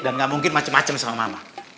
dan gak mungkin macem macem sama mama